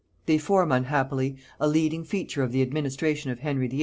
They form unhappily a leading feature of the administration of Henry VIII.